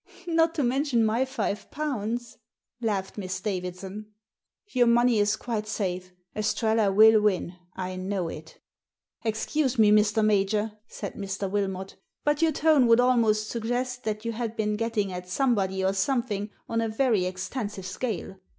"Not to mention my five pounds," laughed Miss Davidson. "Your money is quite safe. Estrella will win — I know it" "Excuse me, Mr. Major," said Mr. Wilmot, "but your tone would almost suggest that you had been getting at somebody or something on a very exten sive scale.